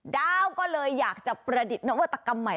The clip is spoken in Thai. ดาวก็เลยอยากจะประดิษฐ์นวัตกรรมใหม่